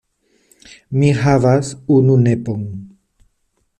Mi havas unu nepon.